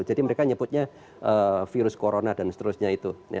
jadi mereka menyebutnya virus corona dan seterusnya itu